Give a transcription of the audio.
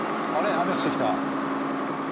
雨降ってきた。